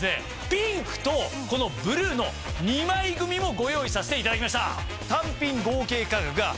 ピンクとこのブルーの２枚組もご用意させていただきました。